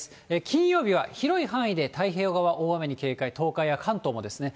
金曜日は広い範囲で太平洋側、大雨に警戒、東海や関東もですね。